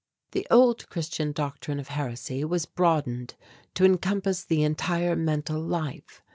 The old Christian doctrine of heresy was broadened to encompass the entire mental life.